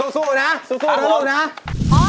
สู้นะเถอะลูกน้ำ